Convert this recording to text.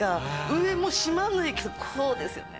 上もう閉まんないけどこうですよね。